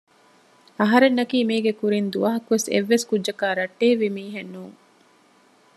އަހަންނަކީ މީގެ ކުރިން ދުވަހަކުވެސް އެއްވެސް ކުއްޖަކާއި ރައްޓެހިވި މީހެއް ނޫން